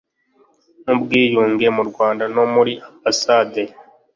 n ubwiyunge mu rwanda no muri ambasande